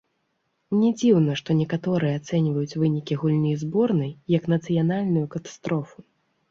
Не дзіўна, што некаторыя ацэньваюць вынікі гульні зборнай як нацыянальную катастрофу.